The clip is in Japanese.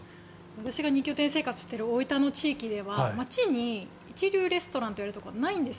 私が二拠点生活している大分の地域では街に一流レストランといわれるところがないんです。